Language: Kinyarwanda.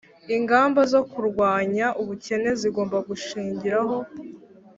ingamba zo kurwanya ubukene zigomba gushingiraho